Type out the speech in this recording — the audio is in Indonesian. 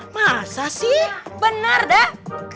masa sih bener dah